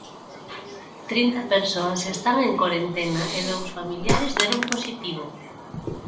Trinta persoas están en corentena e dous familiares deron positivo.